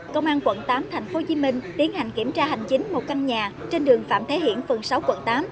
công an quận tám tp hcm tiến hành kiểm tra hành chính một căn nhà trên đường phạm thế hiển phường sáu quận tám